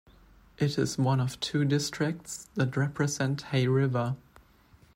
It is one of two districts that represent Hay River.